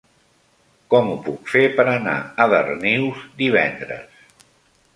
Com ho puc fer per anar a Darnius divendres?